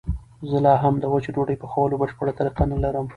زه لا هم د وچې ډوډۍ پخولو بشپړه طریقه نه لرم.